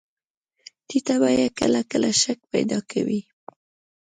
ټیټه بیه کله کله شک پیدا کوي.